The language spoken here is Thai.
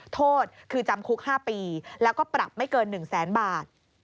โทษคือจำคุก๕ปีแล้วก็ปรับไม่เกิน๑แสนบาท